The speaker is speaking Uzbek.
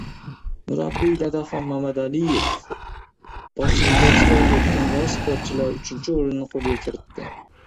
Murabbiy Dadaxon Mamadiyev boshchiligida ishtirok etgan yosh sportchilar uchinchi oʻrinni qoʻlga kiritdi.